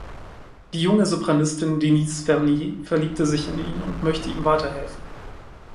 Die junge Sopranistin Denise Vernier verliebt sich in ihn und möchte ihm weiterhelfen.